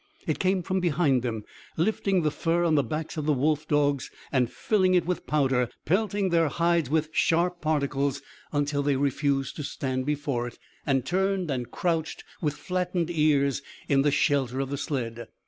It came from behind them, lifting the fur on the backs of the wolf dogs and filling it with powder, pelting their hides with sharp particles until they refused to stand before it, and turned and crouched with flattened ears in the shelter of the sled.